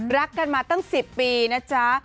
รักกันมาตั้ง๑๐ปีนะจ๊ะ